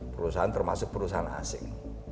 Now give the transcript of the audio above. perusahaan termasuk perusahaan asing